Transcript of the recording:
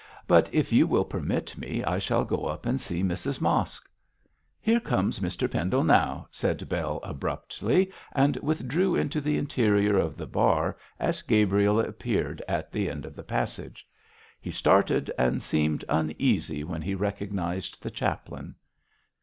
But if you will permit me I shall go up and see Mrs Mosk.' 'Here comes Mr Pendle now,' said Bell, abruptly, and withdrew into the interior of the bar as Gabriel appeared at the end of the passage. He started and seemed uneasy when he recognised the chaplain.